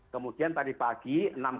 kemudian tadi pagi enam dua